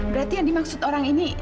berarti yang dimaksud orang ini